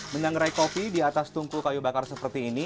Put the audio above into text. menyangrai kopi di atas tungku kayu bakar seperti ini